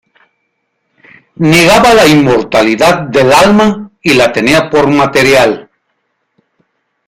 Negaba la inmortalidad del alma y la tenía por material.